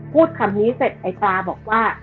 พูดคำนี้เสร็จไอ้ตาบอกว่า